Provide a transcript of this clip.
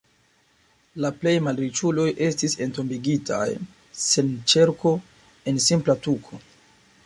La plej-malriĉuloj estis entombigitaj sen ĉerko, en simpla tuko.